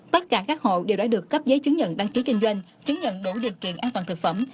tất cả các hộ đều đã được cấp giấy chứng nhận đăng ký kinh doanh chứng nhận đủ điều kiện an toàn thực phẩm